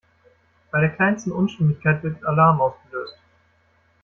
Bei der kleinsten Unstimmigkeit wird Alarm ausgelöst.